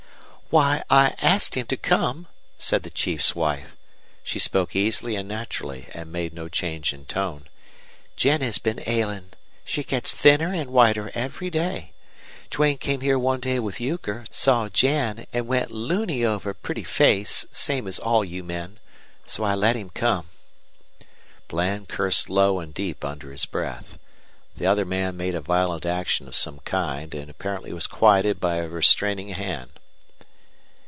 "Why, I asked him to come," said the chief's wife. She spoke easily and naturally and made no change in tone. "Jen has been ailing. She gets thinner and whiter every day. Duane came here one day with Euchre, saw Jen, and went loony over her pretty face, same as all you men. So I let him come." Bland cursed low and deep under his breath. The other man made a violent action of some kind and apparently was quieted by a restraining hand.